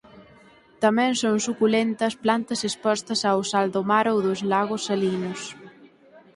Tamén son suculentas plantas expostas ao sal do mar ou dos lagos salinos.